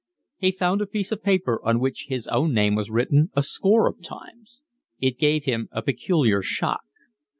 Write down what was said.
He found a piece of paper on which his own name was written a score of times. It gave him a peculiar shock.